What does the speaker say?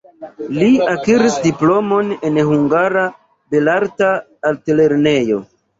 Li akiris diplomon en Hungara Belarta Altlernejo.